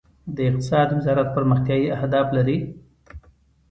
د اقتصاد وزارت پرمختیايي اهداف لري؟